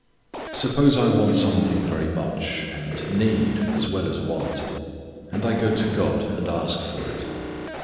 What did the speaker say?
Suppose I want something very much and need as well as want. And I go to God and ask for it.